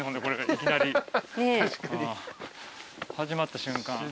始まった瞬間。